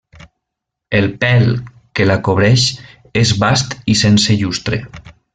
El pèl que la cobreix és bast i sense llustre.